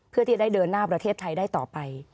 เพื่อที่จะได้เดินหน้าประเทศไทยได้ต่อไป